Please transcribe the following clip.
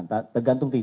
nah tergantung tim